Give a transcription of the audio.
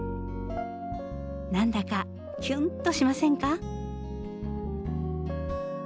何だかキュンとしませんか？